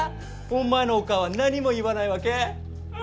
お前のオカーは何も言わないわけ？